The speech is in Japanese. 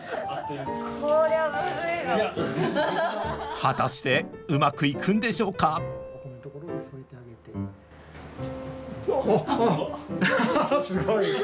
果たしてうまくいくんでしょうかあっ